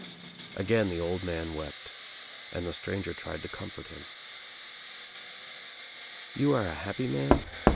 Again the old man wept and the stranger tried to comfort him. "You are a happy man?"